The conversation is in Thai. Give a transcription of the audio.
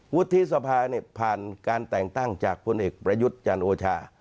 วุฒิสภาผ่านการแต่งตั้งจากพลเอกประยุทธ์จันทร์โอชา